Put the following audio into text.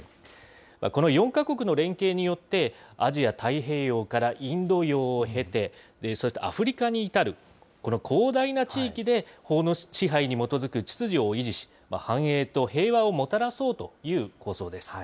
この４か国の連携によって、アジア太平洋からインド洋を経て、そしてアフリカに至る、この広大な地域で法の支配に基づく秩序を維持し、繁栄と平和をもたらそうという構想です。